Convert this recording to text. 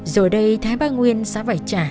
rồi đây thái ba nguyên sẽ phải trả